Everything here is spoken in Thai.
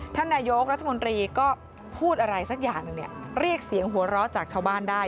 ท่านนายกรัฐมนตรีก็พูดอะไรสักอย่างหนึ่งเรียกเสียงหัวเราะจากชาวบ้านได้